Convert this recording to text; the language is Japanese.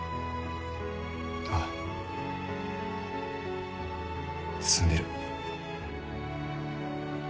ああ進んでる。